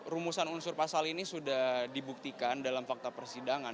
rumusan unsur pasal ini sudah dibuktikan dalam fakta persidangan